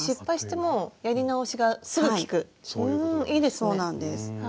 そうなんです。